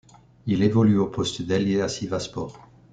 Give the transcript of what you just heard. Il évolue au poste d'ailier à Sivasspor.